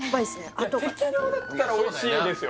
あとが適量だったらおいしいんですよ